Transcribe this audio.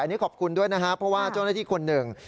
อันนี้ขอบคุณด้วยนะครับเพราะว่าเจ้าหน้าที่คนหนึ่ง